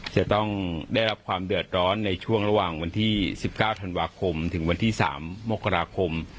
จะต้องได้รับความเดือดร้อนในช่วงระหว่างวันที่๑๙ธันวาคมถึงวันที่๓มกราคม